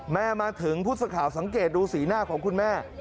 แม่มาถึงพุทธสะขาวสังเกตดูสีหน้าของคุณแม่